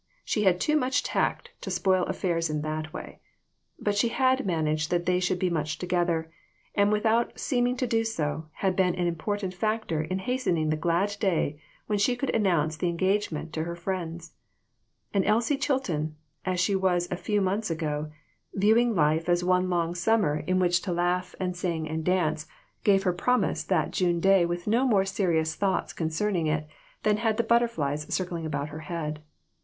She had too much tact to spoil affairs in that way ; but she had managed that they should be much together ; and without seeming to do so, had been an important factor in hastening the glad day when she could announce the engagement to her friends. And Elsie Chilton, as she was a few months ago, viewing life as one long summer in which 238 THIS WORLD, AND THE OTHER ONE. to laugh and sing and dance, gave her promise that June day with no more serious thoughts concerning it than had the butterflies circling about her head.